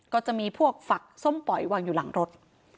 ก็จะมีพวกฝักส้มป๋อยวางอยู่หลังรถ